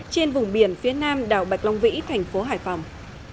trên vùng biển phía nam đảo bạch long vĩ thành phố hải phòng